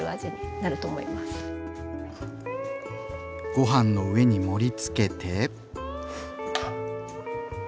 ご飯の上に盛りつけて。